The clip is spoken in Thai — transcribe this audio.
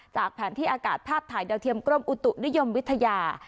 แผนที่อากาศภาพถ่ายดาวเทียมกรมอุตุนิยมวิทยา